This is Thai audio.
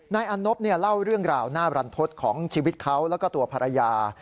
อันนบเล่าเรื่องราวหน้าบรรทศของชีวิตเขาแล้วก็ตัวภรรยา